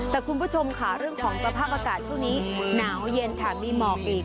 แต่คุณผู้ชมค่ะเรื่องของสภาพอากาศช่วงนี้หนาวเย็นค่ะมีหมอกอีก